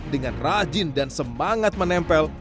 dengan rajin dan semangat menempel